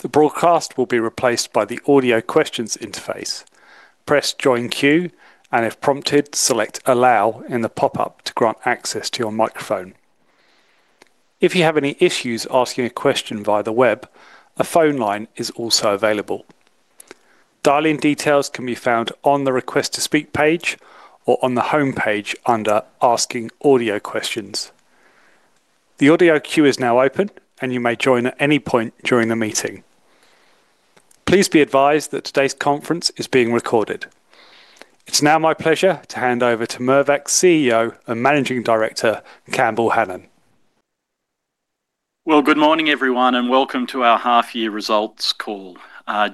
The broadcast will be replaced by the audio questions interface. Press Join Queue, and if prompted, select Allow in the pop-up to grant access to your microphone. If you have any issues asking a question via the web, a phone line is also available. Dial-in details can be found on the Request to Speak page or on the homepage under Asking Audio Questions. The audio queue is now open, and you may join at any point during the meeting. Please be advised that today's conference is being recorded. It's now my pleasure to hand over to Mirvac's CEO and Managing Director, Campbell Hanan. Well, good morning, everyone, and welcome to our half-year results call.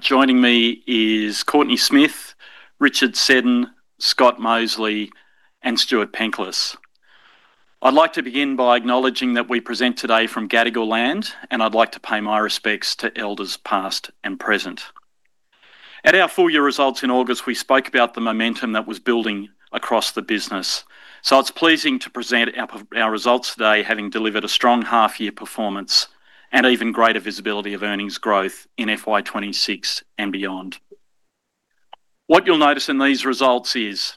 Joining me is Courtenay Smith, Richard Seddon, Scott Mosely, and Stuart Penklis. I'd like to begin by acknowledging that we present today from Gadigal Land, and I'd like to pay my respects to elders, past and present. At our full-year results in August, we spoke about the momentum that was building across the business, so it's pleasing to present our results today, having delivered a strong half-year performance and even greater visibility of earnings growth in FY 2026 and beyond. What you'll notice in these results is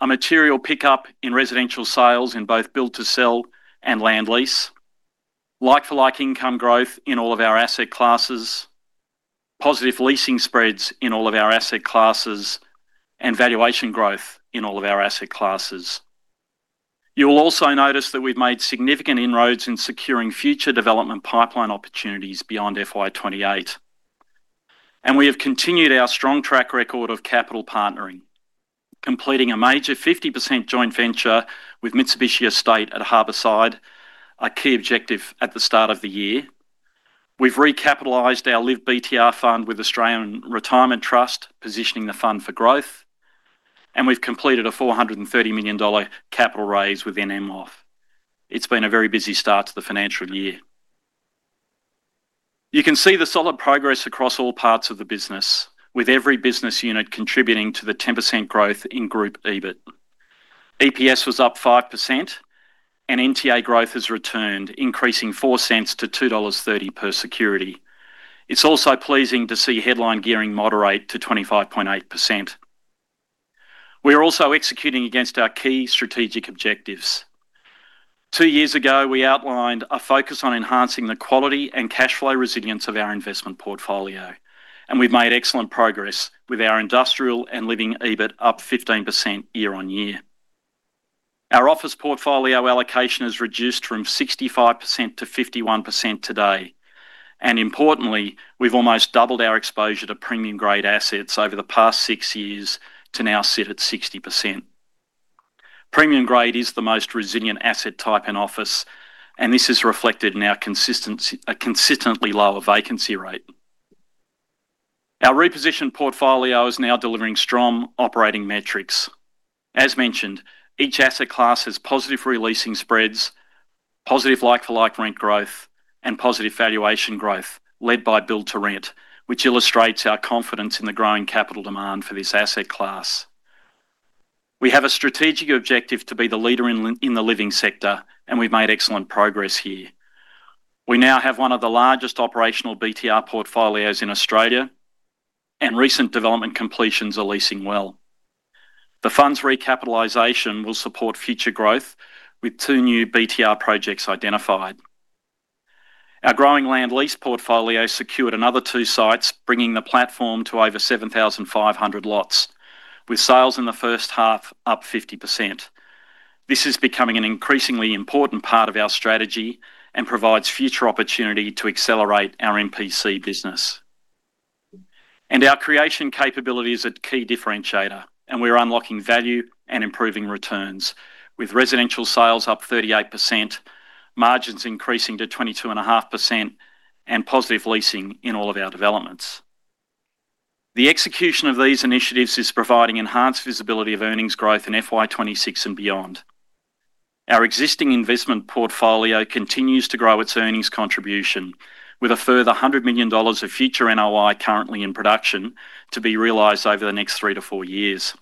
a material pickup in residential sales in both build-to-sell and land lease, like-for-like income growth in all of our asset classes, positive leasing spreads in all of our asset classes, and valuation growth in all of our asset classes. You'll also notice that we've made significant inroads in securing future development pipeline opportunities beyond FY 2028, and we have continued our strong track record of capital partnering, completing a major 50% joint venture with Mitsubishi Estate at Harbourside, a key objective at the start of the year. We've recapitalized our LIV BTR Fund with Australian Retirement Trust, positioning the fund for growth, and we've completed a 430 million dollar capital raise within MWOF. It's been a very busy start to the financial year. You can see the solid progress across all parts of the business, with every business unit contributing to the 10% growth in Group EBIT. EPS was up 5%, and NTA growth has returned, increasing 0.04 to 2.30 dollars per security. It's also pleasing to see headline gearing moderate to 25.8%. We are also executing against our key strategic objectives. Two years ago, we outlined a focus on enhancing the quality and cash flow resilience of our investment portfolio, and we've made excellent progress with our industrial and living EBIT up 15% year-on-year. Our office portfolio allocation has reduced from 65% to 51% today, and importantly, we've almost doubled our exposure to premium-grade assets over the past six years to now sit at 60%. Premium grade is the most resilient asset type in office, and this is reflected in our consistency, a consistently lower vacancy rate. Our repositioned portfolio is now delivering strong operating metrics. As mentioned, each asset class has positive re-leasing spreads, positive like-for-like rent growth, and positive valuation growth led by build-to-rent, which illustrates our confidence in the growing capital demand for this asset class. We have a strategic objective to be the leader in in the living sector, and we've made excellent progress here. We now have one of the largest operational BTR portfolios in Australia, and recent development completions are leasing well. The fund's recapitalization will support future growth, with two new BTR projects identified. Our growing land lease portfolio secured another two sites, bringing the platform to over 7,500 lots, with sales in the first half up 50%. This is becoming an increasingly important part of our strategy and provides future opportunity to accelerate our MPC business. Our creation capability is a key differentiator, and we are unlocking value and improving returns, with residential sales up 38%, margins increasing to 22.5%, and positive leasing in all of our developments. The execution of these initiatives is providing enhanced visibility of earnings growth in FY 2026 and beyond. Our existing investment portfolio continues to grow its earnings contribution, with a further 100 million dollars of future NOI currently in production to be realized over the next 3-4 years.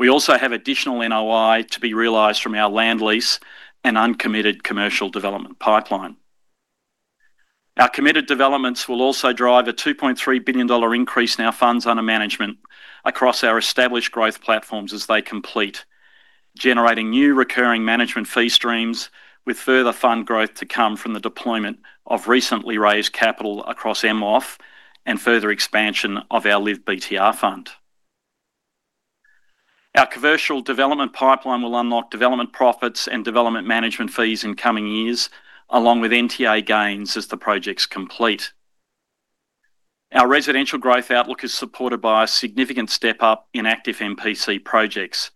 We also have additional NOI to be realized from our land lease and uncommitted commercial development pipeline. Our committed developments will also drive a 2.3 billion dollar increase in our funds under management across our established growth platforms as they complete, generating new recurring management fee streams, with further fund growth to come from the deployment of recently raised capital across MWOF and further expansion of our LIV BTR fund. Our commercial development pipeline will unlock development profits and development management fees in coming years, along with NTA gains as the projects complete. Our residential growth outlook is supported by a significant step-up in active MPC projects,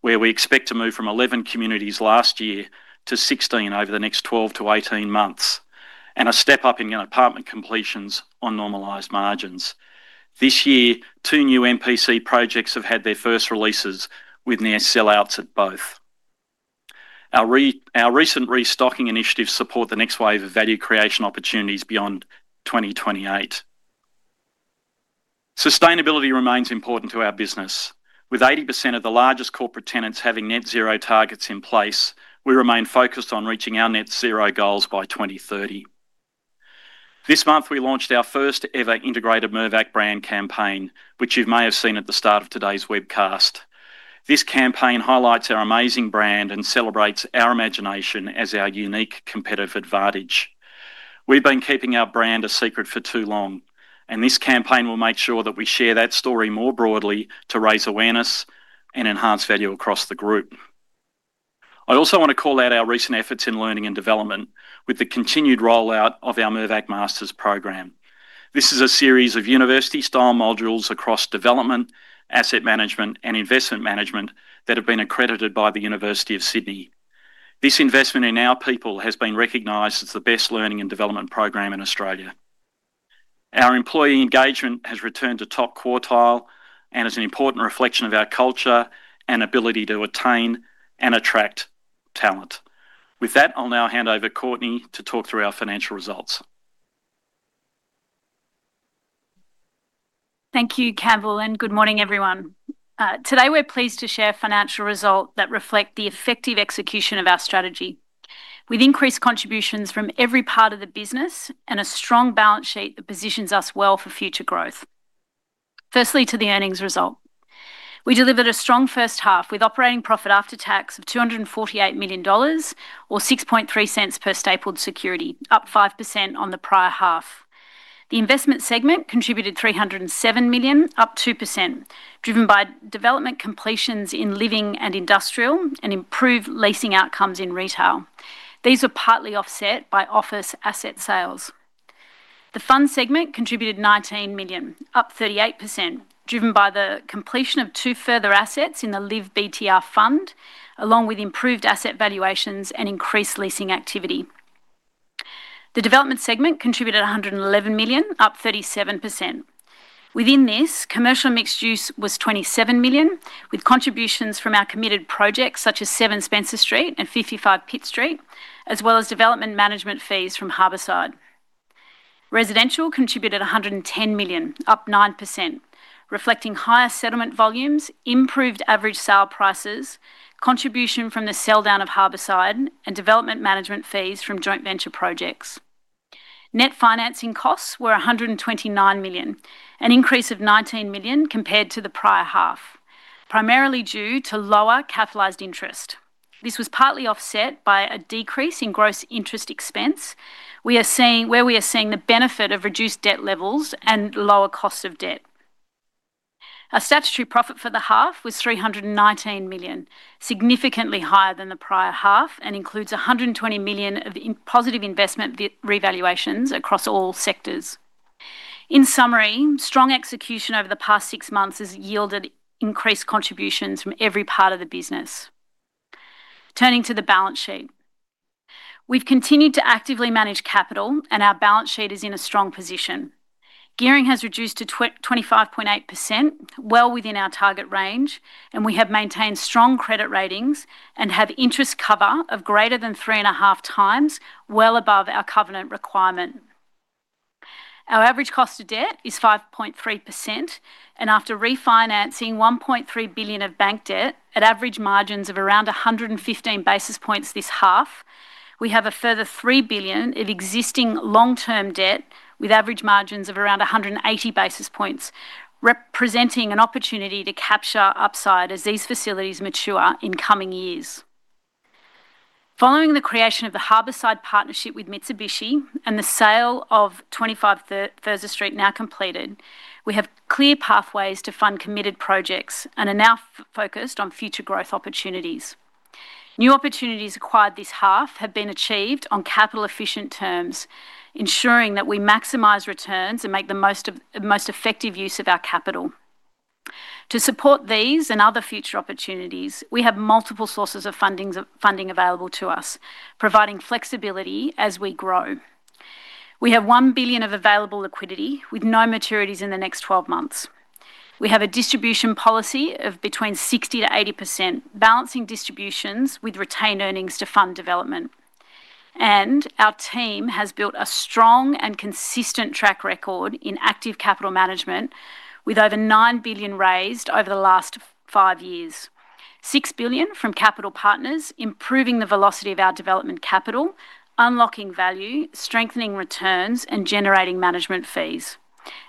where we expect to move from 11 communities last year to 16 over the next 12-18 months, and a step-up in apartment completions on normalized margins. This year, two new MPC projects have had their first releases, with near sellouts at both. Our recent restocking initiatives support the next wave of value creation opportunities beyond 2028. Sustainability remains important to our business. With 80% of the largest corporate tenants having net zero targets in place, we remain focused on reaching our net zero goals by 2030. This month, we launched our first-ever integrated Mirvac brand campaign, which you may have seen at the start of today's webcast. This campaign highlights our amazing brand and celebrates our imagination as our unique competitive advantage. We've been keeping our brand a secret for too long, and this campaign will make sure that we share that story more broadly to raise awareness and enhance value across the group. I also want to call out our recent efforts in learning and development with the continued rollout of our Mirvac Masters program. This is a series of university-style modules across development, asset management, and investment management that have been accredited by the University of Sydney. This investment in our people has been recognized as the best learning and development program in Australia. Our employee engagement has returned to top quartile and is an important reflection of our culture and ability to attain and attract talent. With that, I'll now hand over to Courtenay to talk through our financial results. Thank you, Campbell, and good morning, everyone. Today, we're pleased to share financial results that reflect the effective execution of our strategy, with increased contributions from every part of the business and a strong balance sheet that positions us well for future growth. Firstly, to the earnings result. We delivered a strong first half with operating profit after tax of AUD 248 million, or 0.063 per stapled security, up 5% on the prior half. The investment segment contributed 307 million, up 2%, driven by development completions in living and industrial and improved leasing outcomes in retail. These were partly offset by office asset sales. The fund segment contributed 19 million, up 38%, driven by the completion of 2 further assets in the LIV BTR Fund, along with improved asset valuations and increased leasing activity. The development segment contributed 111 million, up 37%. Within this, commercial mixed use was 27 million, with contributions from our committed projects such as 7 Spencer Street and 55 Pitt Street, as well as development management fees from Harbourside. Residential contributed 110 million, up 9%, reflecting higher settlement volumes, improved average sale prices, contribution from the sell-down of Harbourside, and development management fees from joint venture projects. Net financing costs were AUD 129 million, an increase of AUD 19 million compared to the prior half, primarily due to lower capitalized interest. This was partly offset by a decrease in gross interest expense. We are seeing the benefit of reduced debt levels and lower costs of debt. Our statutory profit for the half was 319 million, significantly higher than the prior half, and includes 120 million of positive investment revaluations across all sectors. In summary, strong execution over the past six months has yielded increased contributions from every part of the business. Turning to the balance sheet. We've continued to actively manage capital, and our balance sheet is in a strong position. Gearing has reduced to 25.8%, well within our target range, and we have maintained strong credit ratings and have interest cover of greater than three and a half times, well above our covenant requirement. Our average cost of debt is 5.3%, and after refinancing 1.3 billion of bank debt at average margins of around 115 basis points this half, we have a further 3 billion of existing long-term debt with average margins of around 180 basis points, representing an opportunity to capture upside as these facilities mature in coming years. Following the creation of the Harbourside partnership with Mitsubishi and the sale of 25 Thurso Street now completed, we have clear pathways to fund committed projects and are now focused on future growth opportunities. New opportunities acquired this half have been achieved on capital-efficient terms, ensuring that we maximize returns and make the most effective use of our capital. To support these and other future opportunities, we have multiple sources of funding available to us, providing flexibility as we grow. We have 1 billion of available liquidity, with no maturities in the next 12 months. We have a distribution policy of between 60%-80%, balancing distributions with retained earnings to fund development. Our team has built a strong and consistent track record in active capital management, with over 9 billion raised over the last five years. 6 billion from capital partners, improving the velocity of our development capital, unlocking value, strengthening returns, and generating management fees.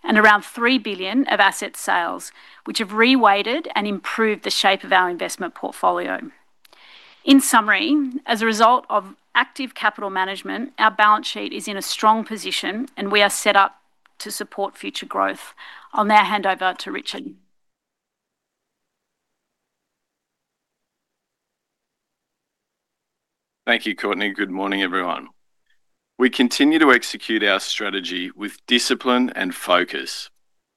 Around 3 billion of asset sales, which have reweighted and improved the shape of our investment portfolio. In summary, as a result of active capital management, our balance sheet is in a strong position, and we are set up to support future growth. I'll now hand over to Richard. Thank you, Courtenay. Good morning, everyone. We continue to execute our strategy with discipline and focus.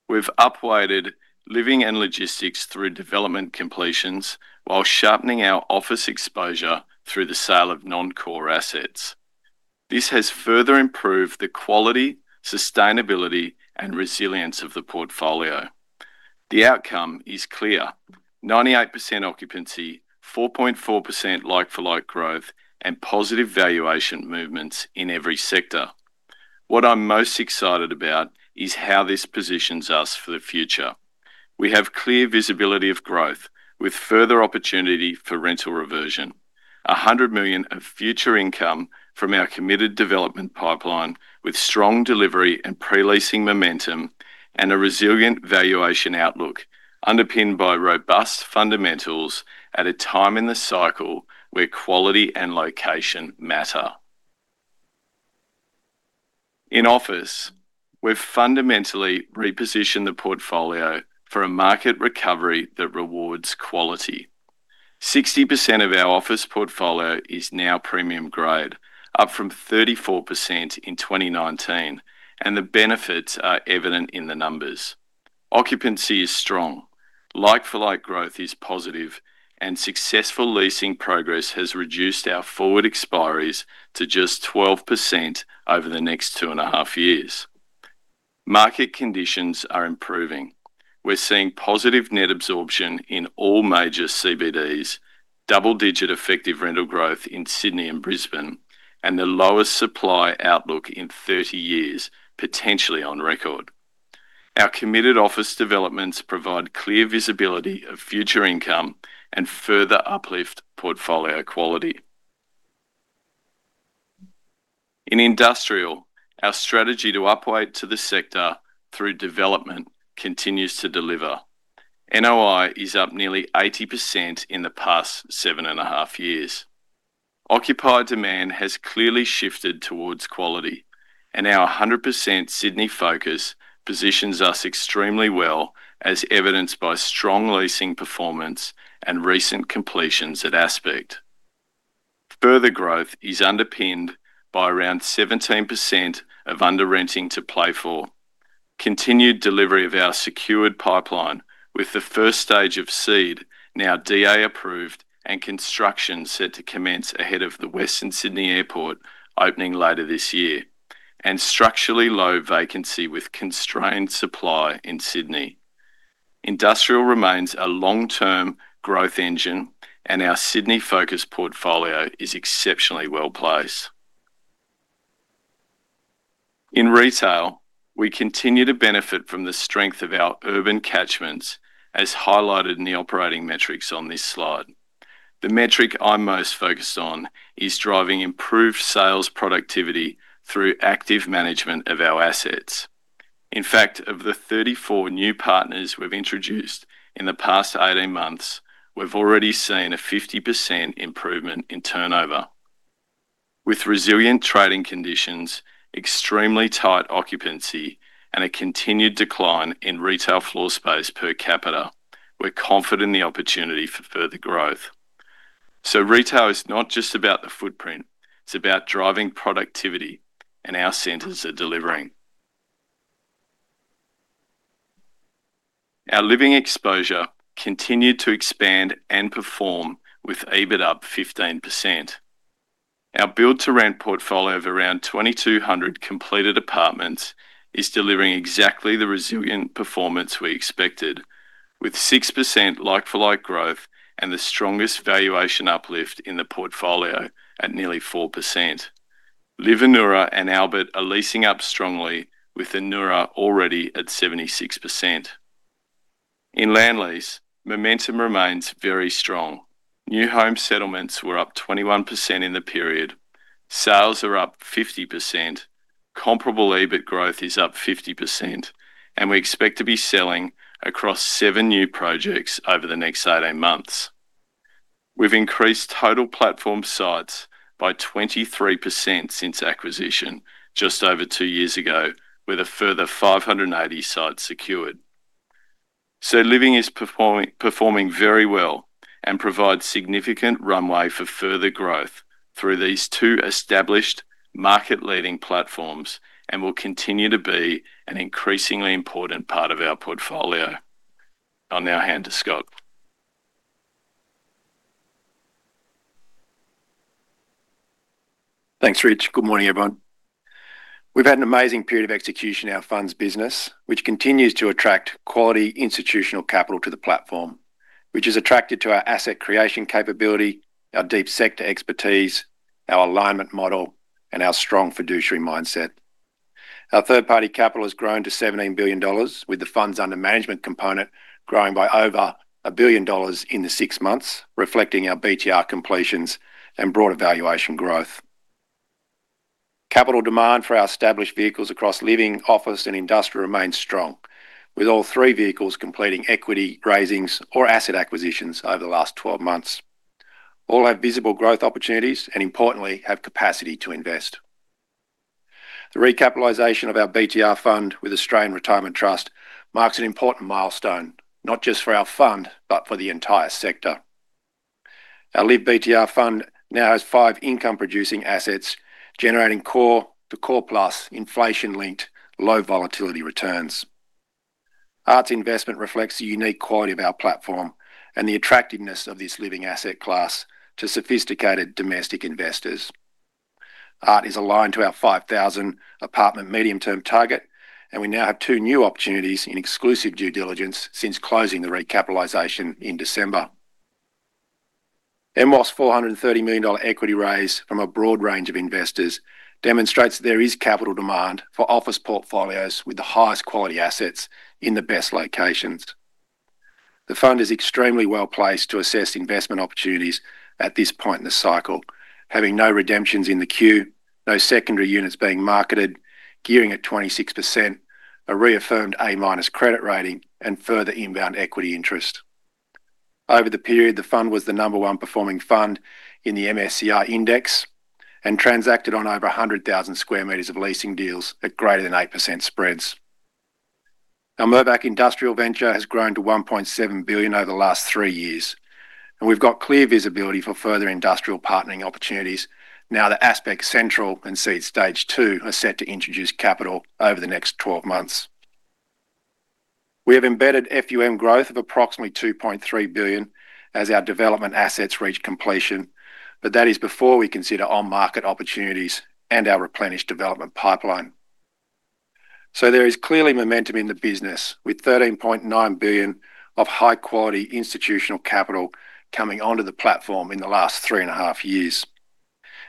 We've upweighted living and logistics through development completions while sharpening our office exposure through the sale of non-core assets. This has further improved the quality, sustainability, and resilience of the portfolio. The outcome is clear: 98% occupancy, 4.4% Like-for-Like Growth, and positive valuation movements in every sector. What I'm most excited about is how this positions us for the future. We have clear visibility of growth with further opportunity for rental reversion, 100 million of future income from our committed development pipeline, with strong delivery and pre-leasing momentum, and a resilient valuation outlook underpinned by robust fundamentals at a time in the cycle where quality and location matter. In office, we've fundamentally repositioned the portfolio for a market recovery that rewards quality. 60% of our office portfolio is now Premium Grade, up from 34% in 2019, and the benefits are evident in the numbers. Occupancy is strong, Like-for-Like Growth is positive, and successful leasing progress has reduced our forward expiries to just 12% over the next 2.5 years. Market conditions are improving. We're seeing positive net absorption in all major CBDs, double-digit effective rental growth in Sydney and Brisbane, and the lowest supply outlook in 30 years, potentially on record. Our committed office developments provide clear visibility of future income and further uplift portfolio quality. In industrial, our strategy to operate to the sector through development continues to deliver. NOI is up nearly 80% in the past 7.5 years. Occupied demand has clearly shifted towards quality, and our 100% Sydney focus positions us extremely well, as evidenced by strong leasing performance and recent completions at Aspect. Further growth is underpinned by around 17% of under-renting to play for, continued delivery of our secured pipeline with the first stage of SEED now DA-approved and construction set to commence ahead of the Western Sydney Airport opening later this year, and structurally low vacancy with constrained supply in Sydney. Industrial remains a long-term growth engine, and our Sydney-focused portfolio is exceptionally well-placed. In retail, we continue to benefit from the strength of our urban catchments, as highlighted in the operating metrics on this slide. The metric I'm most focused on is driving improved sales productivity through active management of our assets. In fact, of the 34 new partners we've introduced in the past 18 months, we've already seen a 50% improvement in turnover. With resilient trading conditions, extremely tight occupancy, and a continued decline in retail floor space per capita, we're confident in the opportunity for further growth. So retail is not just about the footprint, it's about driving productivity, and our centers are delivering. Our living exposure continued to expand and perform, with EBIT up 15%. Our build-to-rent portfolio of around 2,200 completed apartments is delivering exactly the resilient performance we expected, with 6% like-for-like growth and the strongest valuation uplift in the portfolio at nearly 4%. LIV Anura and LIV Albert are leasing up strongly, with Anura already at 76%. In land lease, momentum remains very strong. New home settlements were up 21% in the period, sales are up 50%, comparable EBIT growth is up 50%, and we expect to be selling across seven new projects over the next 18 months. We've increased total platform sites by 23% since acquisition just over two years ago, with a further 580 sites secured. So LIV is performing, performing very well and provides significant runway for further growth through these two established market-leading platforms and will continue to be an increasingly important part of our portfolio. I'll now hand to Scott. Thanks, Rich. Good morning, everyone. We've had an amazing period of execution in our funds business, which continues to attract quality institutional capital to the platform, which is attracted to our asset creation capability, our deep sector expertise, our alignment model, and our strong fiduciary mindset. Our third-party capital has grown to AUD 17 billion, with the funds under management component growing by over 1 billion dollars in the six months, reflecting our BTR completions and broader valuation growth. Capital demand for our established vehicles across living, office, and industrial remains strong, with all three vehicles completing equity raisings or asset acquisitions over the last 12 months. All have visible growth opportunities and, importantly, have capacity to invest. The recapitalization of our BTR fund with Australian Retirement Trust marks an important milestone, not just for our fund, but for the entire sector. Our LIV BTR Fund now has five income-producing assets, generating core to core-plus inflation-linked, low-volatility returns. ART's investment reflects the unique quality of our platform and the attractiveness of this living asset class to sophisticated domestic investors. ART is aligned to our 5,000 apartment medium-term target, and we now have two new opportunities in exclusive due diligence since closing the recapitalization in December. MWOF's AUD 430 million equity raise from a broad range of investors demonstrates there is capital demand for office portfolios with the highest quality assets in the best locations. The fund is extremely well-placed to assess investment opportunities at this point in the cycle, having no redemptions in the queue, no secondary units being marketed, gearing at 26%, a reaffirmed A-minus credit rating, and further inbound equity interest. Over the period, the fund was the number 1 performing fund in the MSCI index and transacted on over 100,000 square meters of leasing deals at greater than 8% spreads. Our Mirvac Industrial Venture has grown to 1.7 billion over the last three years, and we've got clear visibility for further industrial partnering opportunities now that Aspect Central and SEED Stage Two are set to introduce capital over the next 12 months. We have embedded FUM growth of approximately 2.3 billion as our development assets reach completion, but that is before we consider on-market opportunities and our replenished development pipeline. So there is clearly momentum in the business, with 13.9 billion of high-quality institutional capital coming onto the platform in the last 3.5 years.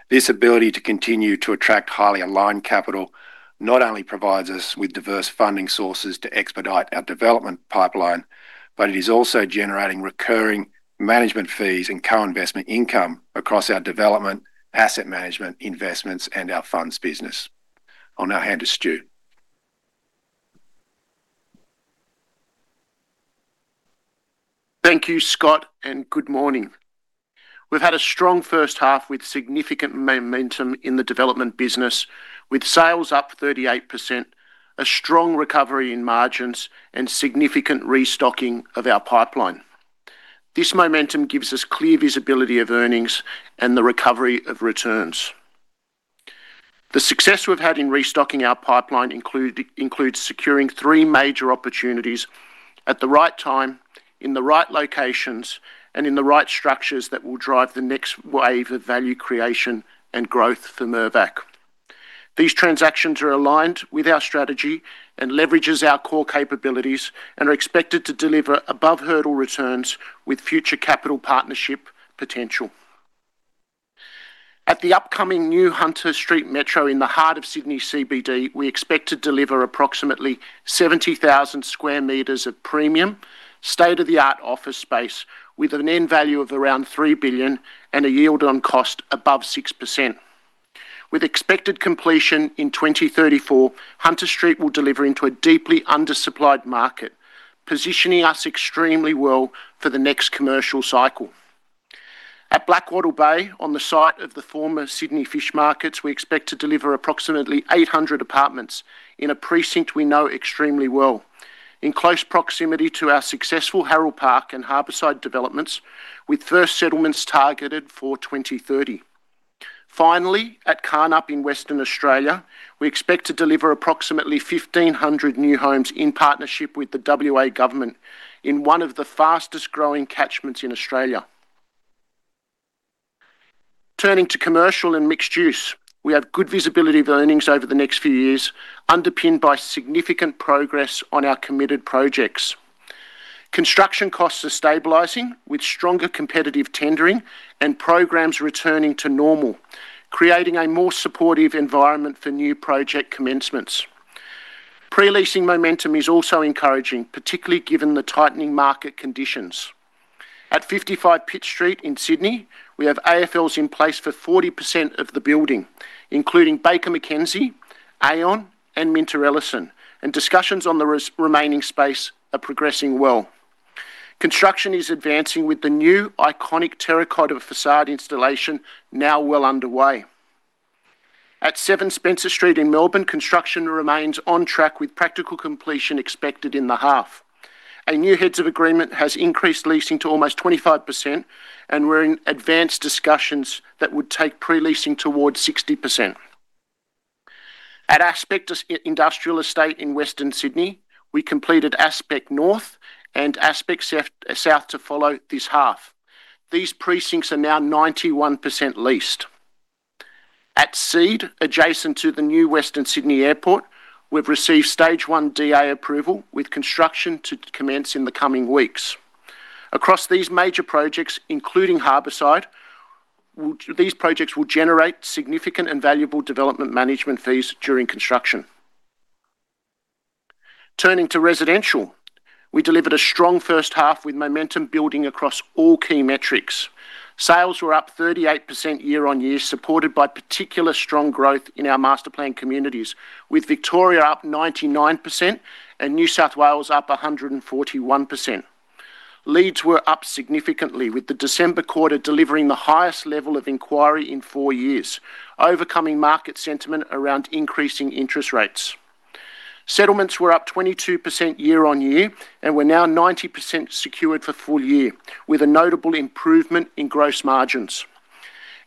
This ability to continue to attract highly aligned capital not only provides us with diverse funding sources to expedite our development pipeline, but it is also generating recurring management fees and co-investment income across our development, asset management, investments, and our funds business. I'll now hand to Stu. Thank you, Scott, and good morning. We've had a strong first half with significant momentum in the development business, with sales up 38%, a strong recovery in margins, and significant restocking of our pipeline. This momentum gives us clear visibility of earnings and the recovery of returns. The success we've had in restocking our pipeline includes securing three major opportunities at the right time, in the right locations, and in the right structures that will drive the next wave of value creation and growth for Mirvac. These transactions are aligned with our strategy and leverages our core capabilities and are expected to deliver above-hurdle returns with future capital partnership potential. At the upcoming new Hunter Street Metro in the heart of Sydney CBD, we expect to deliver approximately 70,000 sq m of premium, state-of-the-art office space with an end value of around 3 billion and a yield on cost above 6%. With expected completion in 2034, Hunter Street will deliver into a deeply undersupplied market, positioning us extremely well for the next commercial cycle. At Blackwattle Bay, on the site of the former Sydney Fish Markets, we expect to deliver approximately 800 apartments in a precinct we know extremely well, in close proximity to our successful Harold Park and Harbourside developments, with first settlements targeted for 2030. Finally, at Karnup in Western Australia, we expect to deliver approximately 1,500 new homes in partnership with the WA government in one of the fastest-growing catchments in Australia. Turning to commercial and mixed use, we have good visibility of earnings over the next few years, underpinned by significant progress on our committed projects. Construction costs are stabilizing, with stronger competitive tendering and programs returning to normal, creating a more supportive environment for new project commencements. Pre-leasing momentum is also encouraging, particularly given the tightening market conditions. At 55 Pitt Street in Sydney, we have AFLs in place for 40% of the building, including Baker McKenzie, Aon, and Minter Ellison, and discussions on the remaining space are progressing well. Construction is advancing with the new iconic terracotta facade installation now well underway. At 7 Spencer Street in Melbourne, construction remains on track, with practical completion expected in the half. A new heads of agreement has increased leasing to almost 25%, and we're in advanced discussions that would take pre-leasing towards 60%. At Aspect Industrial Estate in Western Sydney, we completed Aspect North and Aspect South in this half. These precincts are now 91% leased. At SEED, adjacent to the new Western Sydney Airport, we've received Stage 1 DA approval, with construction to commence in the coming weeks. Across these major projects, including Harbourside, these projects will generate significant and valuable development management fees during construction. Turning to residential, we delivered a strong first half with momentum building across all key metrics. Sales were up 38% year-on-year, supported by particularly strong growth in our master-planned communities, with Victoria up 99% and New South Wales up 141%. Leads were up significantly, with the December quarter delivering the highest level of inquiry in four years, overcoming market sentiment around increasing interest rates. Settlements were up 22% year-on-year, and we're now 90% secured for full year, with a notable improvement in gross margins.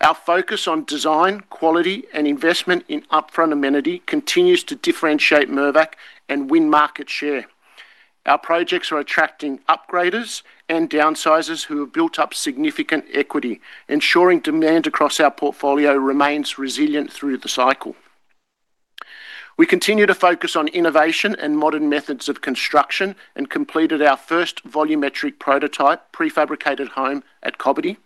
Our focus on design, quality, and investment in upfront amenity continues to differentiate Mirvac and win market share. Our projects are attracting upgraders and downsizers who have built up significant equity, ensuring demand across our portfolio remains resilient through the cycle. We continue to focus on innovation and modern methods of construction, and completed our first volumetric prototype, prefabricated home at Cobbitty.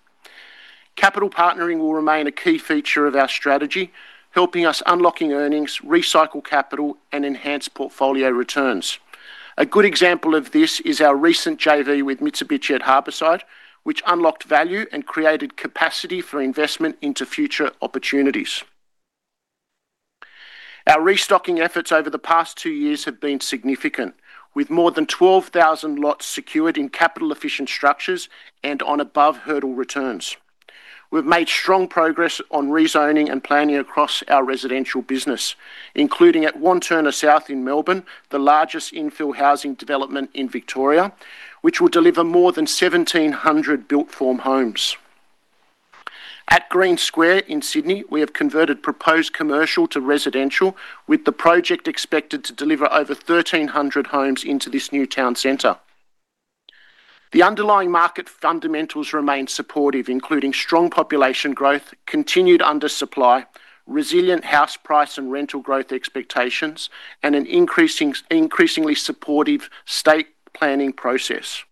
Capital partnering will remain a key feature of our strategy, helping us unlocking earnings, recycle capital, and enhance portfolio returns. A good example of this is our recent JV with Mitsubishi at Harbourside, which unlocked value and created capacity for investment into future opportunities. Our restocking efforts over the past two years have been significant, with more than 12,000 lots secured in capital-efficient structures and on above hurdle returns. We've made strong progress on rezoning and planning across our residential business, including at Wantirna South in Melbourne, the largest infill housing development in Victoria, which will deliver more than 1,700 built form homes. At Green Square in Sydney, we have converted proposed commercial to residential, with the project expected to deliver over 1,300 homes into this new town center. The underlying market fundamentals remain supportive, including strong population growth, continued undersupply, resilient house price and rental growth expectations, and an increasingly supportive state planning process.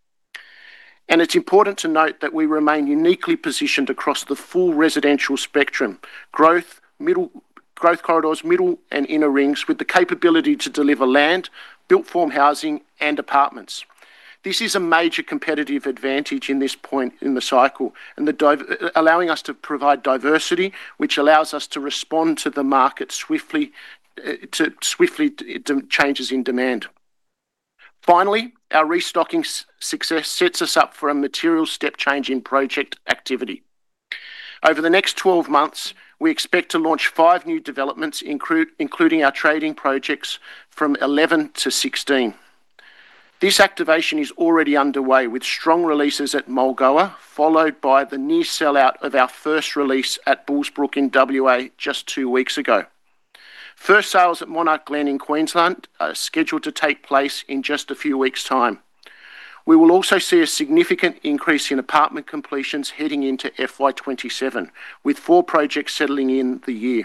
It's important to note that we remain uniquely positioned across the full residential spectrum: growth corridors, middle and inner rings, with the capability to deliver land, built form housing, and apartments. This is a major competitive advantage in this point in the cycle, and the diversity allowing us to provide diversity, which allows us to respond to the market swiftly to changes in demand. Finally, our restocking success sets us up for a material step change in project activity. Over the next 12 months, we expect to launch five new developments, including our trading projects from 11 to 16. This activation is already underway, with strong releases at Mulgoa, followed by the near sellout of our first release at Bullsbrook in WA just two weeks ago. First sales at Monarch Glen in Queensland are scheduled to take place in just a few weeks time. We will also see a significant increase in apartment completions heading into FY 2027, with 4 projects settling in the year.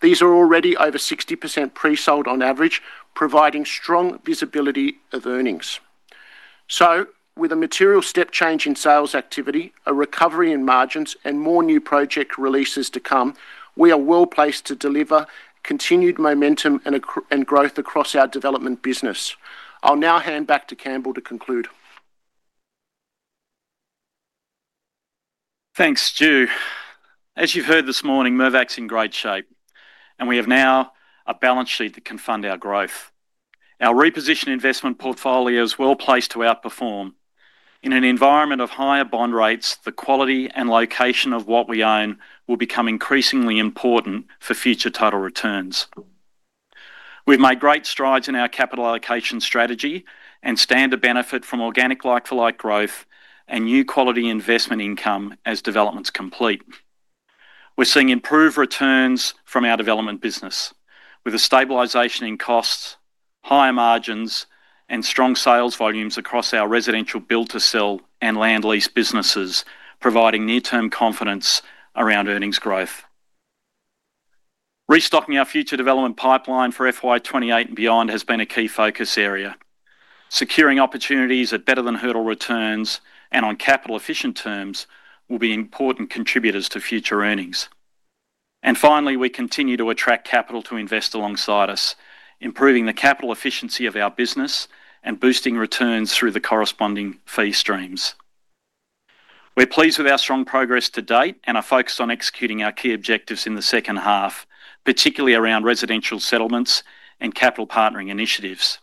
These are already over 60% pre-sold on average, providing strong visibility of earnings. So with a material step change in sales activity, a recovery in margins, and more new project releases to come, we are well placed to deliver continued momentum and growth across our development business. I'll now hand back to Campbell to conclude. Thanks, Stu. As you've heard this morning, Mirvac's in great shape, and we have now a balance sheet that can fund our growth. Our reposition investment portfolio is well placed to outperform. In an environment of higher bond rates, the quality and location of what we own will become increasingly important for future total returns. We've made great strides in our capital allocation strategy and stand to benefit from organic like-for-like growth and new quality investment income as developments complete. We're seeing improved returns from our development business, with a stabilization in costs, higher margins, and strong sales volumes across our residential build to sell and land lease businesses, providing near-term confidence around earnings growth. Restocking our future development pipeline for FY 2028 and beyond has been a key focus area. Securing opportunities at better than hurdle returns and on capital efficient terms will be important contributors to future earnings. Finally, we continue to attract capital to invest alongside us, improving the capital efficiency of our business and boosting returns through the corresponding fee streams. We're pleased with our strong progress to date and are focused on executing our key objectives in the second half, particularly around residential settlements and capital partnering initiatives.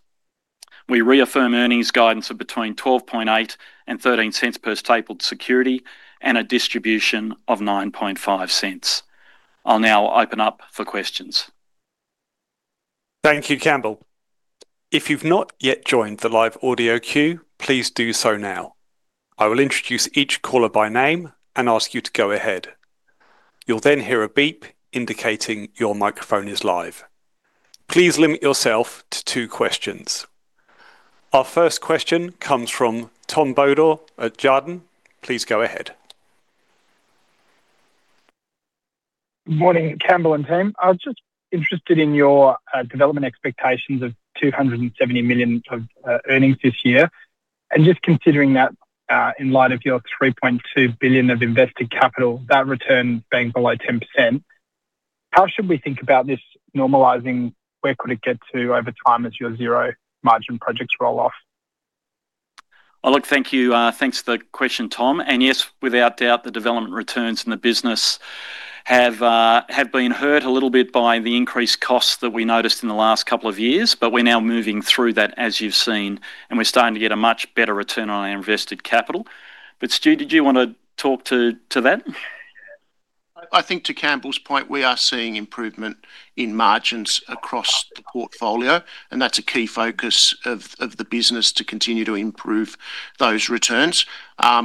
We reaffirm earnings guidance of between 0.128 and 0.13 per stapled security and a distribution of 0.095. I'll now open up for questions. Thank you, Campbell. If you've not yet joined the live audio queue, please do so now. I will introduce each caller by name and ask you to go ahead. You'll then hear a beep indicating your microphone is live. Please limit yourself to two questions. Our first question comes from Tom Bodor at Jarden. Please go ahead. Morning, Campbell and team. I was just interested in your development expectations of 270 million of earnings this year, and just considering that in light of your 3.2 billion of invested capital, that return being below 10%, how should we think about this normalizing? Where could it get to over time as your zero margin projects roll off? Oh, look, thank you. Thanks for the question, Tom. Yes, without doubt, the development returns in the business have have been hurt a little bit by the increased costs that we noticed in the last couple of years, but we're now moving through that, as you've seen, and we're starting to get a much better return on our invested capital. But Stu, did you want to talk to, to that? I think to Campbell's point, we are seeing improvement in margins across the portfolio, and that's a key focus of the business to continue to improve those returns.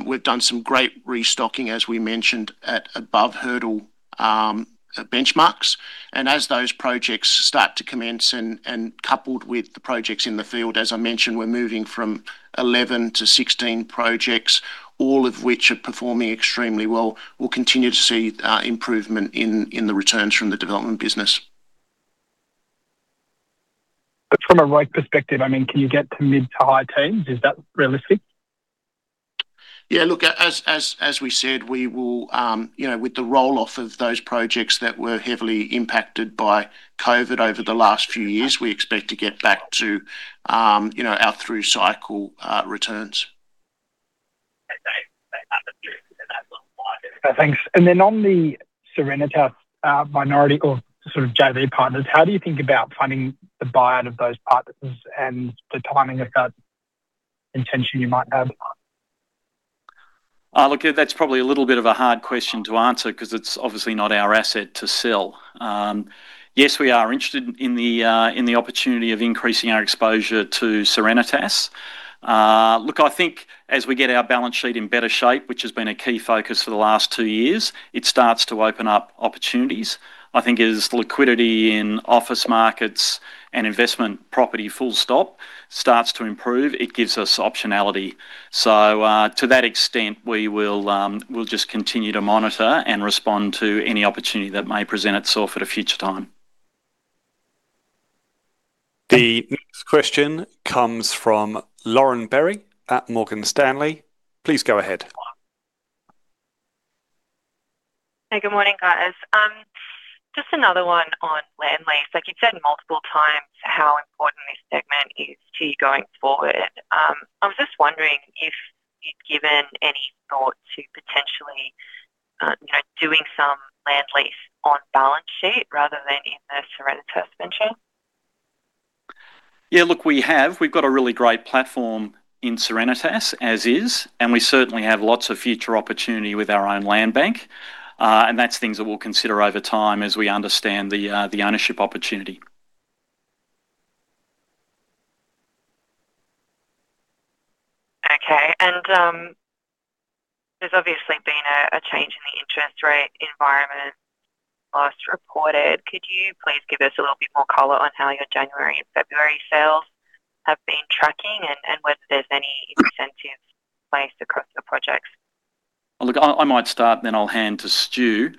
We've done some great restocking, as we mentioned, at above hurdle benchmarks. And as those projects start to commence and coupled with the projects in the field, as I mentioned, we're moving from 11 to 16 projects, all of which are performing extremely well. We'll continue to see improvement in the returns from the development business. But from a rate perspective, I mean, can you get to mid to high teens? Is that realistic? Yeah, look, as we said, we will, you know, with the roll-off of those projects that were heavily impacted by COVID over the last few years, we expect to get back to, you know, our through-cycle returns. Thanks. And then on the Serenitas, minority or sort of JV partners, how do you think about funding the buy-out of those partners and the timing of that intention you might have? Look, that's probably a little bit of a hard question to answer 'cause it's obviously not our asset to sell. Yes, we are interested in the opportunity of increasing our exposure to Serenitas. Look, I think as we get our balance sheet in better shape, which has been a key focus for the last two years, it starts to open up opportunities. I think as liquidity in office markets and investment property, full stop, starts to improve, it gives us optionality. So, to that extent, we will, we'll just continue to monitor and respond to any opportunity that may present itself at a future time. The next question comes from Lauren Berry at Morgan Stanley. Please go ahead. Hey, good morning, guys. Just another one on land lease. Like you've said multiple times how important this segment is to you going forward. I was just wondering if you've given any thought to potentially, you know, doing some land lease on balance sheet rather than in the Serenitas venture? Yeah, look, we have. We've got a really great platform in Serenitas, as is, and we certainly have lots of future opportunity with our own land bank. And that's things that we'll consider over time as we understand the, the ownership opportunity. Okay. And, there's obviously been a change in the interest rate environment last reported. Could you please give us a little bit more color on how your January and February sales have been tracking, and whether there's any incentives in place across the projects? Look, I might start, then I'll hand to Stu.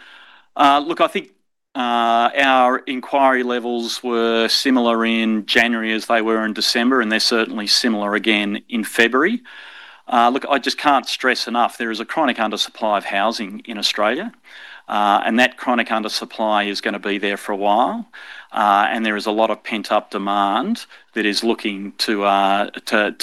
Look, I think our inquiry levels were similar in January as they were in December, and they're certainly similar again in February. Look, I just can't stress enough, there is a chronic undersupply of housing in Australia, and that chronic undersupply is gonna be there for a while. And there is a lot of pent-up demand that is looking to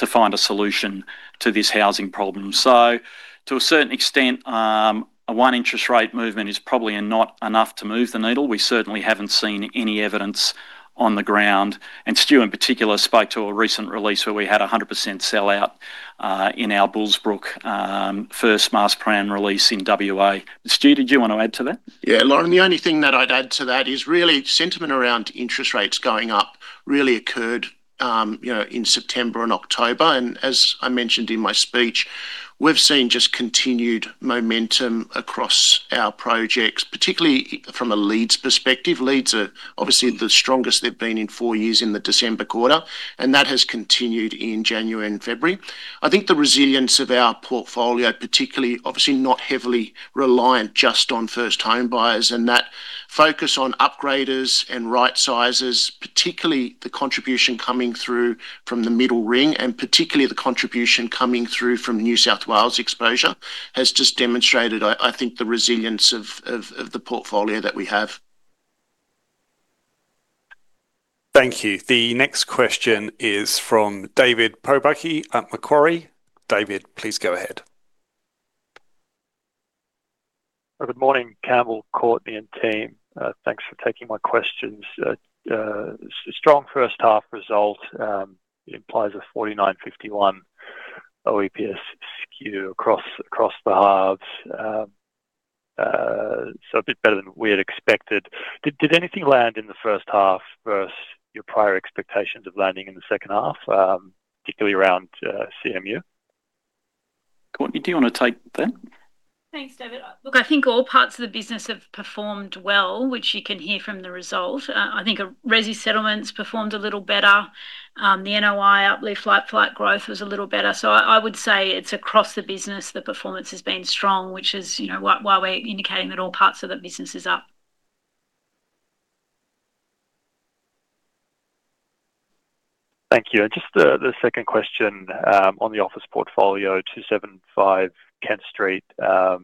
find a solution to this housing problem. So to a certain extent, one interest rate movement is probably not enough to move the needle. We certainly haven't seen any evidence on the ground, and Stu, in particular, spoke to a recent release where we had a 100% sell-out in our Bullsbrook first mass plan release in WA. Stu, did you want to add to that? Yeah, Lauren, the only thing that I'd add to that is really sentiment around interest rates going up really occurred, you know, in September and October. And as I mentioned in my speech, we've seen just continued momentum across our projects, particularly from a leads perspective. Leads are obviously the strongest they've been in four years in the December quarter, and that has continued in January and February. I think the resilience of our portfolio, particularly obviously not heavily reliant just on first home buyers, and that focus on upgraders and right sizes, particularly the contribution coming through from the middle ring, and particularly the contribution coming through from New South Wales exposure, has just demonstrated, I think, the resilience of the portfolio that we have. Thank you. The next question is from David Pobucky at Macquarie. David, please go ahead. Good morning, Campbell, Courtenay, and team. Thanks for taking my questions. Strong first half result, it implies a 49-51 OEPS skew across the halves. So a bit better than we had expected. Did anything land in the first half versus your prior expectations of landing in the second half, particularly around CMU? Courtenay, do you want to take that? Thanks, David. Look, I think all parts of the business have performed well, which you can hear from the result. I think resi settlements performed a little better. The NOI uplift like-for-like growth was a little better. So I would say it's across the business, the performance has been strong, which is, you know, why we're indicating that all parts of the business is up. Thank you. And just the second question on the office portfolio, 275 Kent Street, and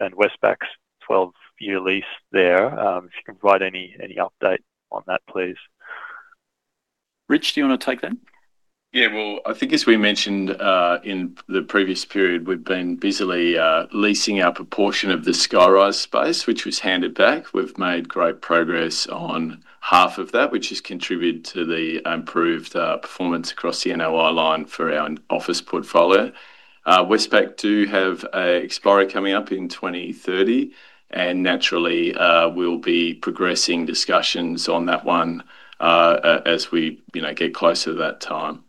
Westpac's 12-year lease there, if you can provide any update on that, please. Rich, do you want to take that? Yeah, well, I think as we mentioned, in the previous period, we've been busily leasing our proportion of the skyrise space, which was handed back. We've made great progress on half of that, which has contributed to the improved performance across the NOI line for our office portfolio. Westpac do have an expiry coming up in 2030, and naturally, we'll be progressing discussions on that one, as we, you know, get closer to that time.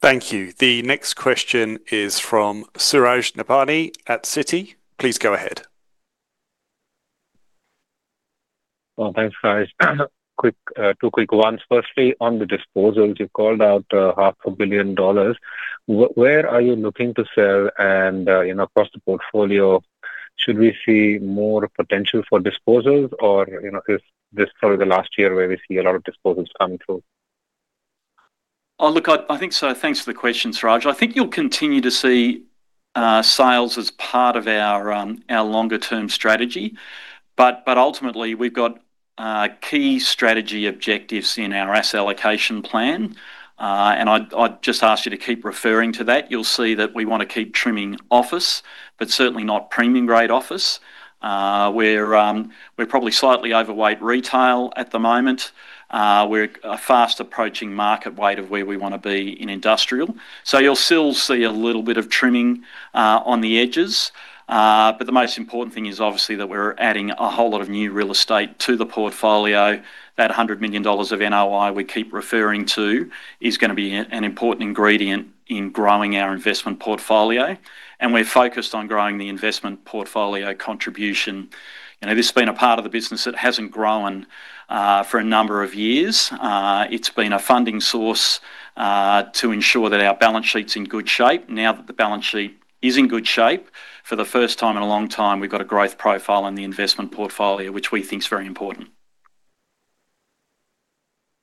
Thank you. The next question is from Suraj Nebhani at Citi. Please go ahead. Well, thanks, guys. Quick, two quick ones. Firstly, on the disposals, you called out 500 million dollars. Where are you looking to sell and, you know, across the portfolio, should we see more potential for disposals or, you know, is this probably the last year where we see a lot of disposals coming through? Oh, look, I think so. Thanks for the question, Suraj. I think you'll continue to see sales as part of our longer term strategy. But ultimately, we've got key strategy objectives in our asset allocation plan. And I'd just ask you to keep referring to that. You'll see that we wanna keep trimming office, but certainly not premium grade office. We're probably slightly overweight retail at the moment. We're fast approaching market weight of where we wanna be in industrial. So you'll still see a little bit of trimming on the edges. But the most important thing is obviously that we're adding a whole lot of new real estate to the portfolio. That 100 million dollars of NOI we keep referring to is gonna be an important ingredient in growing our investment portfolio, and we're focused on growing the investment portfolio contribution. You know, this has been a part of the business that hasn't grown for a number of years. It's been a funding source to ensure that our balance sheet's in good shape. Now that the balance sheet is in good shape, for the first time in a long time, we've got a growth profile in the investment portfolio, which we think is very important.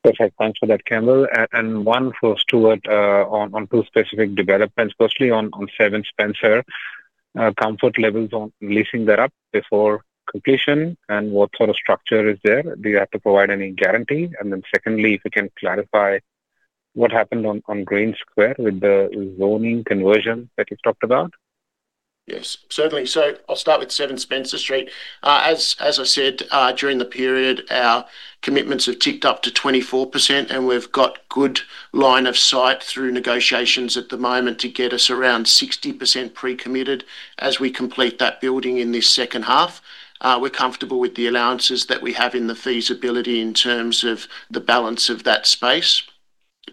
Perfect. Thanks for that, Campbell. And one for Stuart, on two specific developments. Firstly, on Seven Spencer, comfort levels on leasing that up before completion, and what sort of structure is there? Do you have to provide any guarantee? And then secondly, if you can clarify what happened on Green Square with the zoning conversion that you talked about. Yes, certainly. So I'll start with 7 Spencer Street. As, as I said, during the period, our commitments have ticked up to 24%, and we've got good line of sight through negotiations at the moment to get us around 60% pre-committed as we complete that building in this second half. We're comfortable with the allowances that we have in the feasibility in terms of the balance of that space.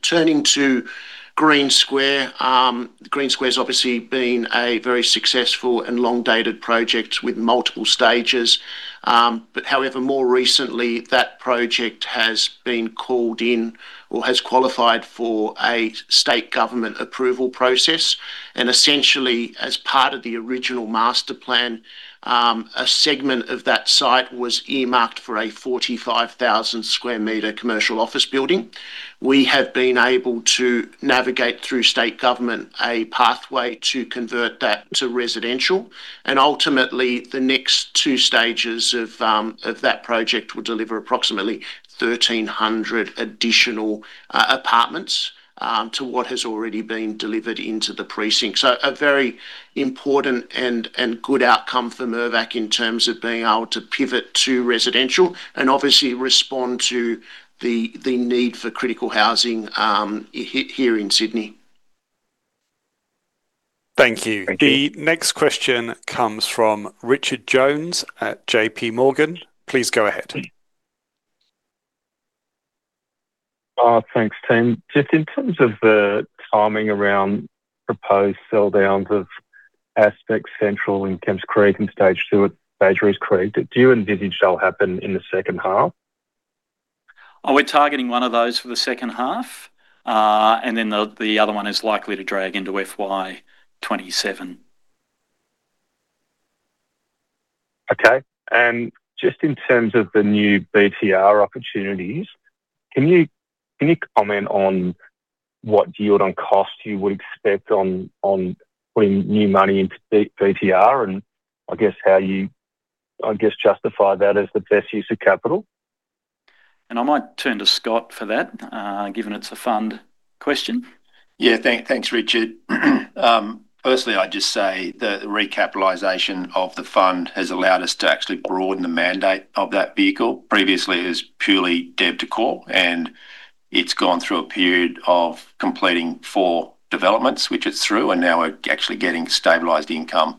Turning to Green Square, Green Square's obviously been a very successful and long-dated project with multiple stages. But however, more recently, that project has been called in or has qualified for a state government approval process, and essentially, as part of the original master plan, a segment of that site was earmarked for a 45,000 square meter commercial office building. We have been able to navigate through state government a pathway to convert that to residential, and ultimately, the next two stages of that project will deliver approximately 1,300 additional apartments to what has already been delivered into the precinct. So a very important and, and good outcome for Mirvac in terms of being able to pivot to residential and obviously respond to the, the need for critical housing here in Sydney. Thank you. Thank you. The next question comes from Richard Jones at J.P. Morgan. Please go ahead. Thanks, team. Just in terms of the timing around proposed sell downs of Aspect Central in Kemps Creek and stage two at Badgerys Creek, do you envisage they'll happen in the second half? We're targeting one of those for the second half, and then the other one is likely to drag into FY 2027. Okay. And just in terms of the new BTR opportunities, can you comment on what yield on cost you would expect on putting new money into BTR and I guess how you justify that as the best use of capital? I might turn to Scott for that, given it's a fund question. Yeah. Thanks, Richard. Firstly, I'd just say the recapitalization of the fund has allowed us to actually broaden the mandate of that vehicle. Previously, it was purely dev to core, and it's gone through a period of completing four developments, which it's through, and now we're actually getting stabilized income.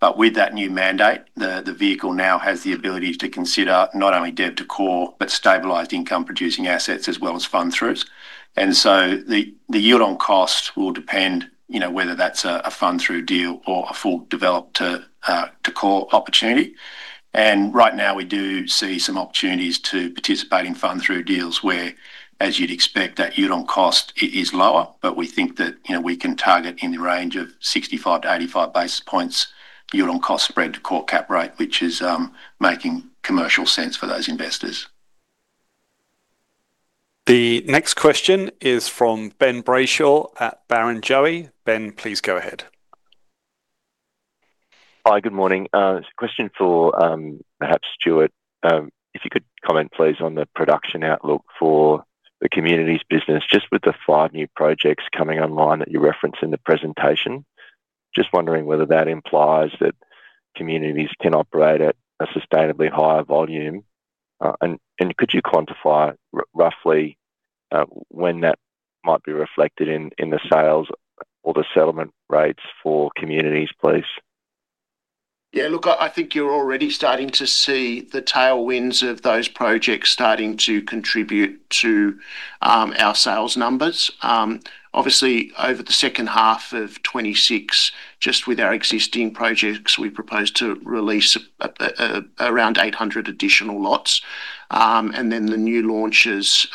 But with that new mandate, the vehicle now has the ability to consider not only dev to core, but stabilized income-producing assets as well as fund throughs. And so the yield on cost will depend, you know, whether that's a fund-through deal or a full developed to core opportunity. Right now, we do see some opportunities to participate in fund through deals where, as you'd expect, that yield on cost is lower, but we think that, you know, we can target in the range of 65-85 basis points yield on cost spread to core cap rate, which is making commercial sense for those investors. The next question is from Ben Brayshaw at Barrenjoey. Ben, please go ahead. Hi, good morning. It's a question for, perhaps Stuart. If you could comment, please, on the production outlook for the communities business, just with the five new projects coming online that you referenced in the presentation. Just wondering whether that implies that communities can operate at a sustainably higher volume, and could you quantify roughly when that might be reflected in the sales or the settlement rates for communities, please? Yeah, look, I think you're already starting to see the tailwinds of those projects starting to contribute to our sales numbers. Obviously, over the second half of 2026, just with our existing projects, we propose to release around 800 additional lots. And then the new launches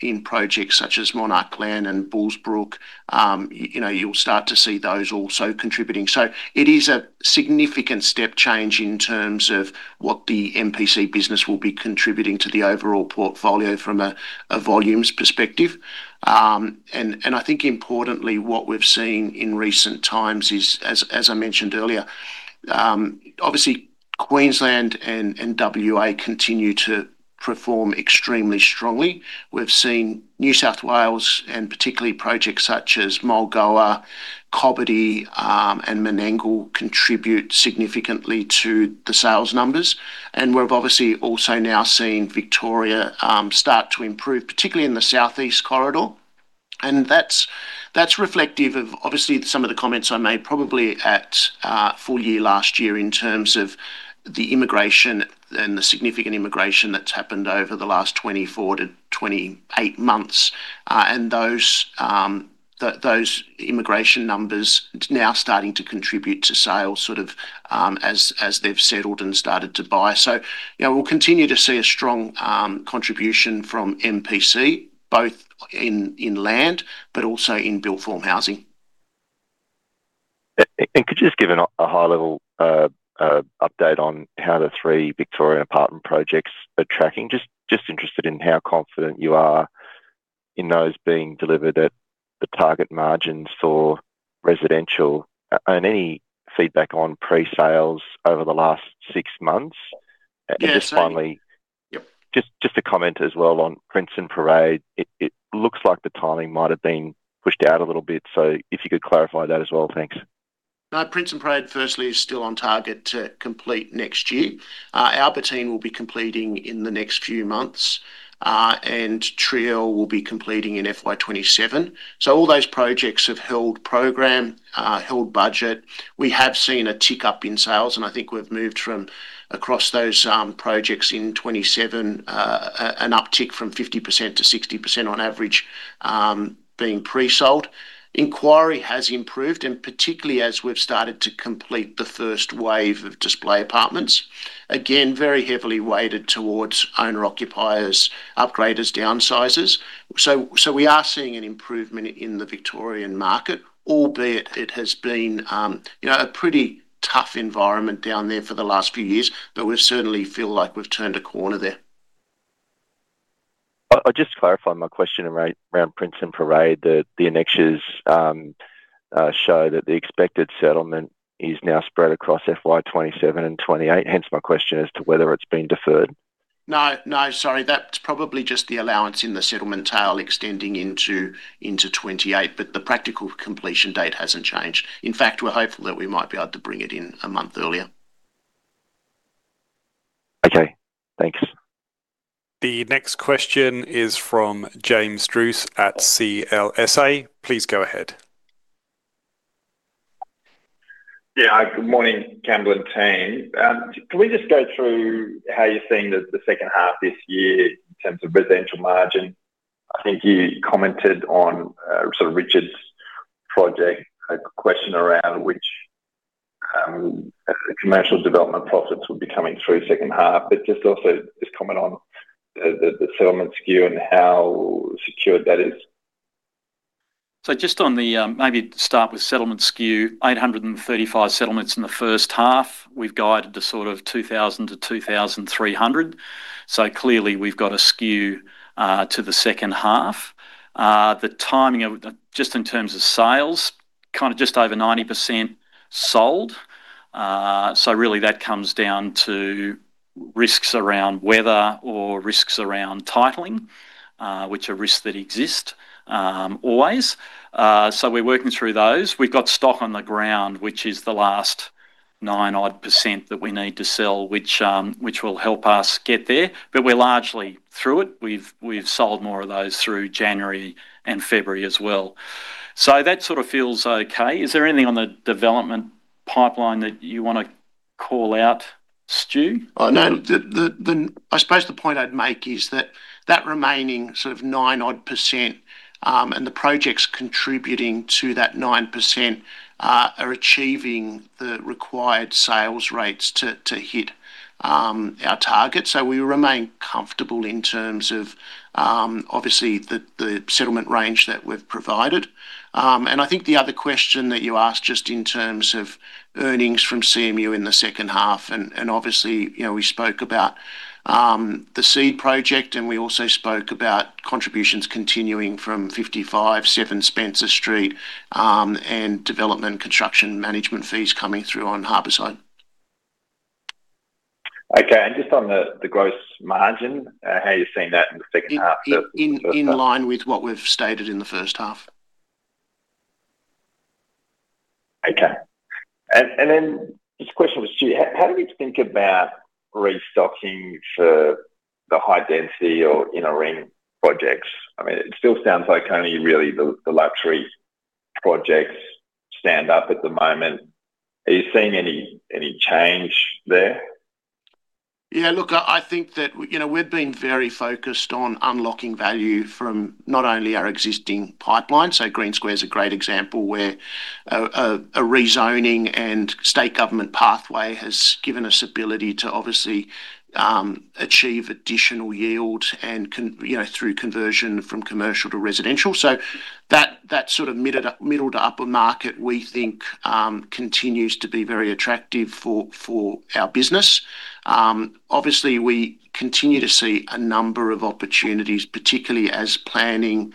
in projects such as Monarch Glen and Bullsbrook, you know, you'll start to see those also contributing. So it is a significant step change in terms of what the MPC business will be contributing to the overall portfolio from a volumes perspective. And I think importantly, what we've seen in recent times is, as I mentioned earlier, obviously, Queensland and WA continue to perform extremely strongly. We've seen New South Wales, and particularly projects such as Mulgoa, Cobbitty, and Menangle, contribute significantly to the sales numbers. We've obviously also now seen Victoria start to improve, particularly in the south east corridor. That's reflective of obviously some of the comments I made, probably at full year last year, in terms of the immigration and the significant immigration that's happened over the last 24-28 months. Those immigration numbers now starting to contribute to sales, sort of, as they've settled and started to buy. So, yeah, we'll continue to see a strong contribution from MPC, both in land, but also in built form housing. Could you just give a high-level update on how the three Victorian apartment projects are tracking? Just interested in how confident you are in those being delivered at the target margins for residential, and any feedback on pre-sales over the last six months. Yeah, so- Just finally- Yep. Just a comment as well on Prince & Parade. It looks like the timing might have been pushed out a little bit, so if you could clarify that as well. Thanks. No, Prince & Parade, firstly, is still on target to complete next year. Albertine will be completing in the next few months, and Trio will be completing in FY 2027. So all those projects have held program, held budget. We have seen a tick-up in sales, and I think we've moved from across those projects in 2027, an uptick from 50% to 60% on average, being pre-sold. Inquiry has improved, and particularly as we've started to complete the first wave of display apartments. Again, very heavily weighted towards owner-occupiers, upgraders, downsizers. So, so we are seeing an improvement in the Victorian market, albeit it has been, you know, a pretty tough environment down there for the last few years, but we certainly feel like we've turned a corner there. I just to clarify my question around Prince & Parade, the annexures show that the expected settlement is now spread across FY 2027 and 2028, hence my question as to whether it's been deferred. No, no, sorry. That's probably just the allowance in the settlement tail extending into 2028, but the practical completion date hasn't changed. In fact, we're hopeful that we might be able to bring it in a month earlier. Okay, thanks. The next question is from James Druce at CLSA. Please go ahead. Yeah. Good morning, Cameron team. Can we just go through how you're seeing the second half this year in terms of residential margin? I think you commented on sort of Richard's project, a question around which commercial development profits would be coming through second half, but just also just comment on the settlement skew and how secured that is. So just on the, maybe to start with settlement skew, 835 settlements in the first half. We've guided to sort of 2,000-2,300. So clearly, we've got a skew to the second half. Just in terms of sales, kind of just over 90% sold. So really, that comes down to risks around weather or risks around titling, which are risks that exist always. So we're working through those. We've got stock on the ground, which is the last nine odd % that we need to sell, which will help us get there, but we're largely through it. We've sold more of those through January and February as well. So that sort of feels okay. Is there anything on the development pipeline that you want to call out, Stu? Oh, no. The point I'd make is that remaining sort of nine-odd percent, and the projects contributing to that 9%, are achieving the required sales rates to hit our target. So we remain comfortable in terms of obviously the settlement range that we've provided. And I think the other question that you asked, just in terms of earnings from CMU in the second half, and obviously, you know, we spoke about the SEED project, and we also spoke about contributions continuing from 55, 7 Spencer Street, and development, construction, management fees coming through on Harbourside. Okay, and just on the gross margin, how are you seeing that in the second half of the first half? In line with what we've stated in the first half. Okay. And then just a question for Stu: How do we think about restocking for the high density or inner ring projects. I mean, it still sounds like only really the luxury projects stand up at the moment. Are you seeing any change there? Yeah, look, I think that we, you know, we've been very focused on unlocking value from not only our existing pipeline, so Green Square is a great example where a rezoning and state government pathway has given us ability to obviously achieve additional yield and, you know, through conversion from commercial to residential. So that sort of middled up, middle to upper market, we think, continues to be very attractive for our business. Obviously, we continue to see a number of opportunities, particularly as planning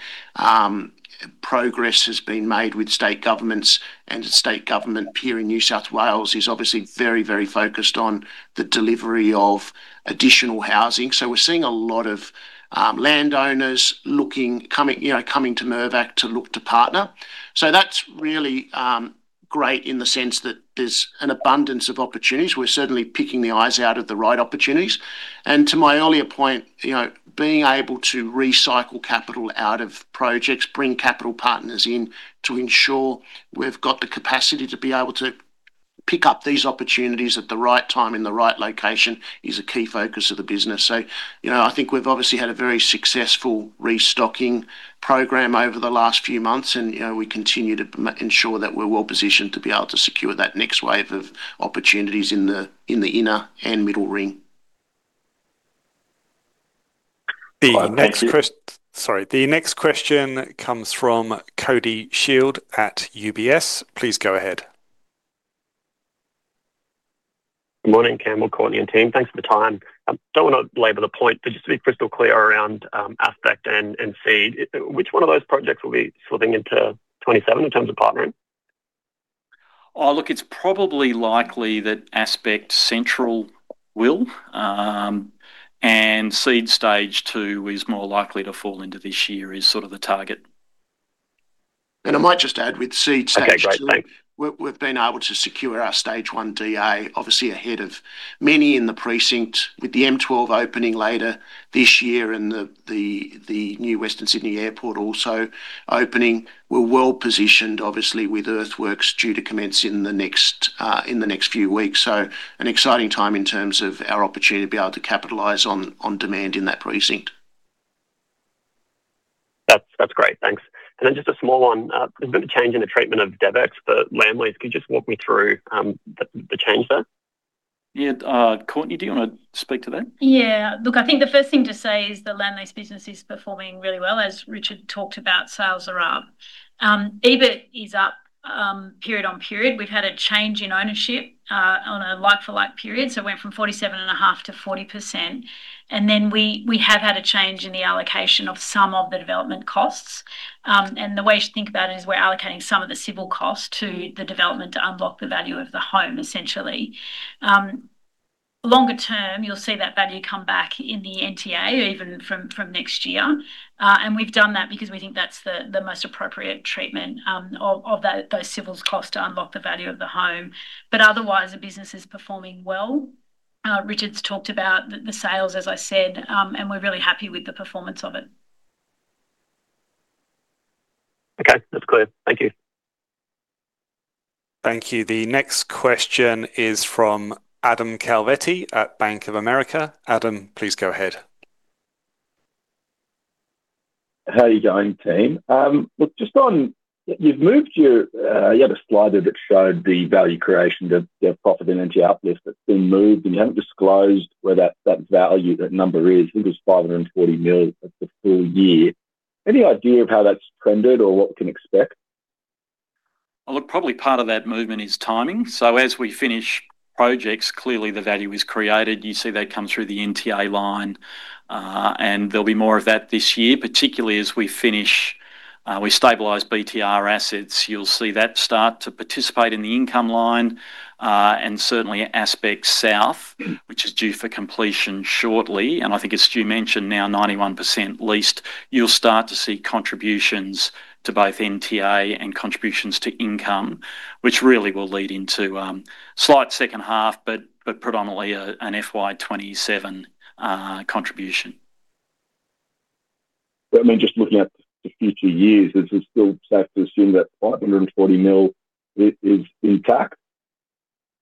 progress has been made with state governments, and the state government here in New South Wales is obviously very, very focused on the delivery of additional housing. So we're seeing a lot of landowners coming, you know, coming to Mirvac to look to partner. So that's really great in the sense that there's an abundance of opportunities. We're certainly picking the eyes out of the right opportunities. And to my earlier point, you know, being able to recycle capital out of projects, bring capital partners in to ensure we've got the capacity to be able to pick up these opportunities at the right time, in the right location, is a key focus of the business. So, you know, I think we've obviously had a very successful restocking program over the last few months, and, you know, we continue to ensure that we're well positioned to be able to secure that next wave of opportunities in the inner and middle ring. Sorry, the next question comes from Cody Shield at UBS. Please go ahead. Good morning, Campbell, Courtenay, and team. Thanks for the time. Don't want to labor the point, but just to be crystal clear around Aspect and SEED, which one of those projects will be slipping into 2027 in terms of partnering? Oh, look, it's probably likely that Aspect Central will, and SEED Stage Two is more likely to fall into this year, is sort of the target. I might just add with SEED Stage Two- Okay, great. Thanks. We've been able to secure our Stage One DA, obviously, ahead of many in the precinct, with the M12 opening later this year and the new Western Sydney Airport also opening. We're well positioned, obviously, with earthworks due to commence in the next few weeks. So an exciting time in terms of our opportunity to be able to capitalize on demand in that precinct. That's, that's great. Thanks. And then just a small one. There's been a change in the treatment of DevEx for land lease. Could you just walk me through the change there? Yeah, Courtenay, do you want to speak to that? Yeah. Look, I think the first thing to say is the land lease business is performing really well, as Richard talked about, sales are up. EBIT is up, period-on-period. We've had a change in ownership, on a like-for-like period, so it went from 47.5 to 40%. And then we have had a change in the allocation of some of the development costs. And the way to think about it is we're allocating some of the civil cost to the development to unlock the value of the home, essentially. Longer term, you'll see that value come back in the NTA, even from next year. And we've done that because we think that's the most appropriate treatment of those civils costs to unlock the value of the home. But otherwise, the business is performing well. Richard's talked about the sales, as I said, and we're really happy with the performance of it. Okay, that's clear. Thank you. Thank you. The next question is from Adam Calvetti at Bank of America. Adam, please go ahead. How are you going, team? Look, just on. You've moved your, you had a slider that showed the value creation, the, the profit and energy uplift that's been moved, and you haven't disclosed where that, that value, that number is. I think it was 540 million for the full year. Any idea of how that's trended or what we can expect? Well, look, probably part of that movement is timing. So as we finish projects, clearly the value is created. You see that come through the NTA line, and there'll be more of that this year, particularly as we finish, we stabilize BTR assets. You'll see that start to participate in the income line, and certainly Aspect South, which is due for completion shortly. And I think as Stu mentioned, now 91% leased, you'll start to see contributions to both NTA and contributions to income, which really will lead into, slight second half, but, but predominantly a, an FY 2027, contribution. I mean, just looking at the future years, is it still safe to assume that 540 million is intact?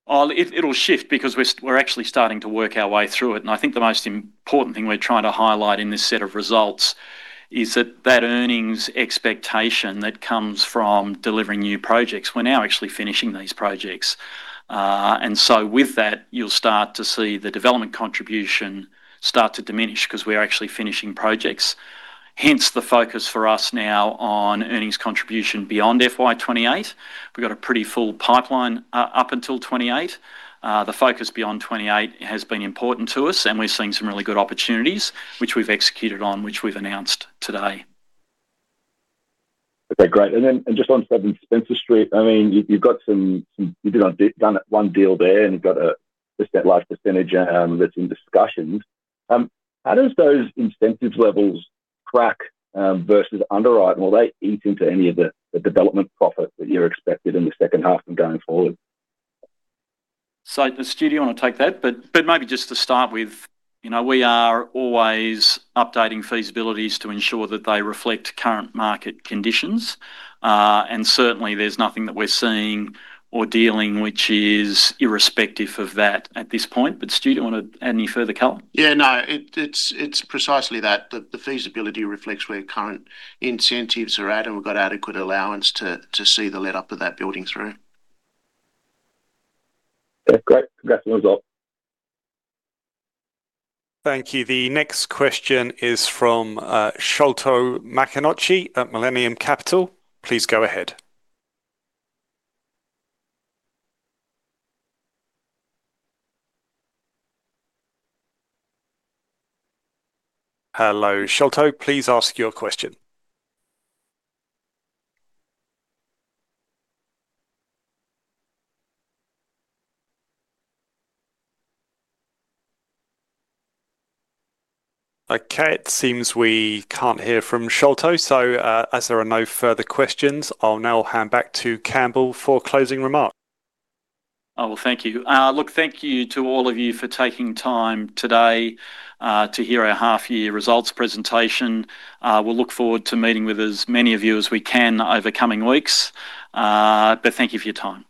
Well, it'll shift because we're actually starting to work our way through it, and I think the most important thing we're trying to highlight in this set of results is that earnings expectation that comes from delivering new projects, we're now actually finishing these projects. And so with that, you'll start to see the development contribution start to diminish 'cause we are actually finishing projects. Hence, the focus for us now on earnings contribution beyond FY 2028. We've got a pretty full pipeline up until 2028. The focus beyond 2028 has been important to us, and we're seeing some really good opportunities, which we've executed on, which we've announced today. Okay, great. And then, just on 7 Spencer Street, I mean, you've got some. You've done one deal there, and you've got just that large percentage that's in discussions. How do those incentives levels track versus underwrite? Will they eat into any of the development profit that you're expected in the second half and going forward? So, does Stu, do you want to take that? But maybe just to start with, you know, we are always updating feasibilities to ensure that they reflect current market conditions. And certainly, there's nothing that we're seeing or dealing which is irrespective of that at this point. But Stu, do you want to add any further color? Yeah, no. It's precisely that, the feasibility reflects where current incentives are at, and we've got adequate allowance to see the lease-up of that building through. Okay, great. Congrats on the result. Thank you. The next question is from, Sholto Maconochie at Millennium Capital. Please go ahead. Hello, Sholto, please ask your question. Okay, it seems we can't hear from Sholto, so, as there are no further questions, I'll now hand back to Campbell for closing remarks. Oh, well, thank you. Look, thank you to all of you for taking time today, to hear our half-year results presentation. We'll look forward to meeting with as many of you as we can over coming weeks, but thank you for your time.